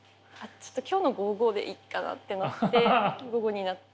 ちょっと今日の午後でいっかなってなって午後になって。